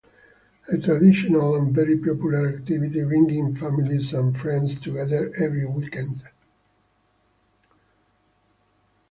A traditional and very popular activity, bringing families and friends together every weekend.